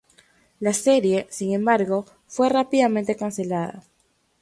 La serie, sin embargo, fue rápidamente cancelada.